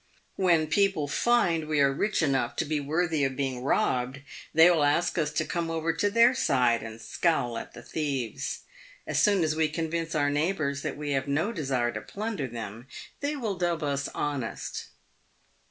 "When people find we are rich enough to be worthy of being robbed, they will ask us to come over to their side and scowl at the thieves. As soon as we con vince our neighbours that we have no desire to plunder them they will dub us honest.